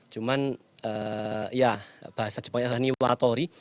cuman ya bahasa jepangnya adalah ini watori